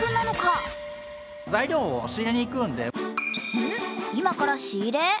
うん、今から仕入れ？